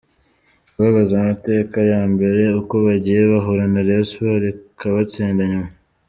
kubabaza amateka ya mbere uko bagiye bahura na Rayon Sports ikabatsinda, nyuma.